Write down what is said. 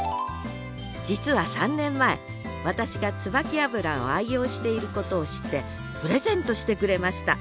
実は３年前私がツバキ油を愛用していることを知ってプレゼントしてくれました。